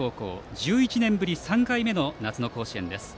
高校１１年ぶり３回目の夏の甲子園です。